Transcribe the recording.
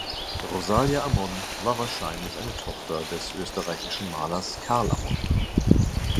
Rosalia Amon war wahrscheinlich eine Tochter des österreichischen Malers Carl Amon.